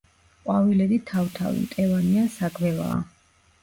ყვავილედი თავთავი, მტევანი ან საგველაა.